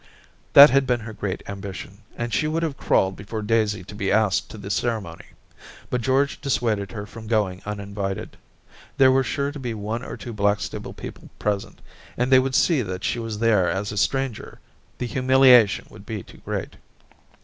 That had been her great ambition, and she would have crawled before Daisy to be asked to the ceremony. ... But George dissuaded her from going uninvited. There were sure to be one or two Blackstable people present, and they would see that she was there as a stranger ; the humiliation would be too great.